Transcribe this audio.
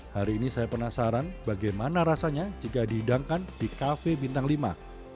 hari ini saya penasaran bagaimana rasanya jika dihidangkan di kafe bintang lima